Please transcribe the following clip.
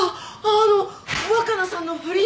あの若菜さんの不倫の。